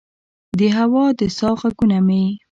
د هوا د سا ه ږغونه مې